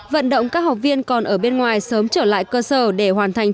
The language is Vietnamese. vận động các học viên còn ở bên ngoài sớm trở lại cơ sở để hoàn thành trường hợp